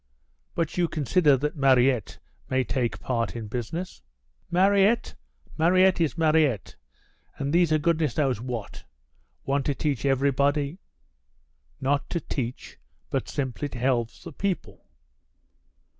"Yet you consider that Mariette may take part in business." "Mariette? Mariette is Mariette, and these are goodness knows what. Want to teach everybody." "Not to teach but simply to help the people."